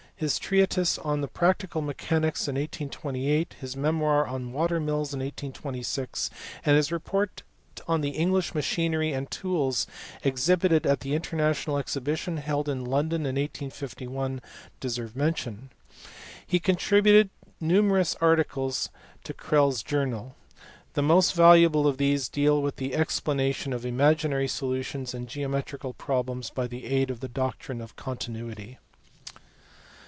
His treatise on practical mechanics in 1826, his memoir on water mills in 1826, and his report on the English machinery and tools exhibited at the International exhibition held in London in 1851 deserve mention. He contributed numerous articles to Crelle s journal. The most valuable of these deal with the explanation of imaginary solutions in geometrical problems by the aid of the doctrine of continuity.